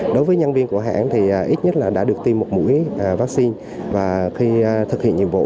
đối với nhân viên của hãng thì ít nhất là đã được tiêm một mũi vaccine và khi thực hiện nhiệm vụ